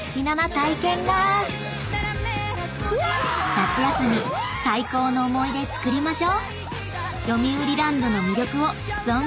［夏休み最高の思い出つくりましょ！］